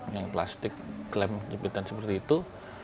yang plastik klaim jepitan seperti itu